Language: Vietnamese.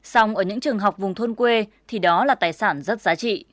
xong ở những trường học vùng thôn quê thì đó là tài sản rất giá trị